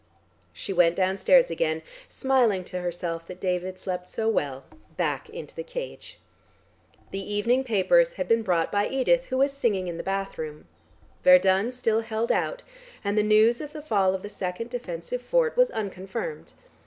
She went downstairs again, smiling to herself that David slept so well, back into the cage. The evening papers had been brought by Edith who was singing in the bathroom. Verdun still held out, and the news of the fall of the second defensive fort was unconfirmed.